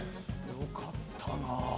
よかったな。